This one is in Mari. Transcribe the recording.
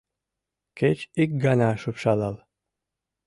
Кеч ик гана шупшалал;